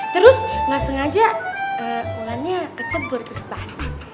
terus nggak sengaja mulannya kecebur terus basah